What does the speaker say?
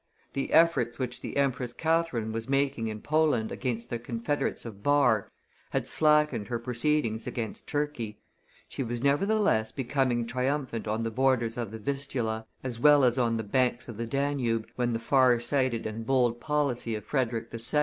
The efforts which the Empress Catherine was making in Poland against the confederates of Barr had slackened her proceedings against Turkey; she was nevertheless becoming triumphant on the borders of the Vistula, as well as on the banks of the Danube, when the far sighted and bold policy of Frederick II.